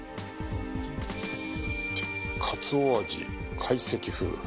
「かつお味懐石風」